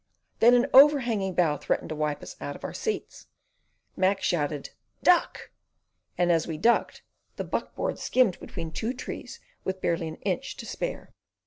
Then an overhanging bough threatening to wipe us out of our seats, Mac shouted, "Duck!" and as we "ducked" the buck board skimmed between two trees, with barely an inch to spare.